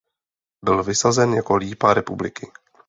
Byl vysazen jako Lípa republiky.